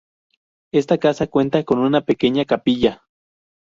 Esta casa cuenta con una pequeña capilla.